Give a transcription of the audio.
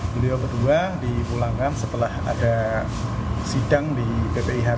beliau berdua dipulangkan setelah ada sidang di ppih